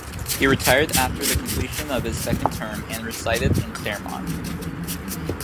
He retired after the completion of his second term, and resided in Claremont.